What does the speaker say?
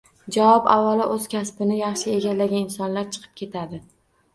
Javob: avvalo o‘z kasbini yaxshi egallagan insonlar chiqib ketadi.